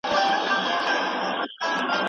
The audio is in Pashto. ماشيني ژباړې د انسان کار ډېر اسانه کړ.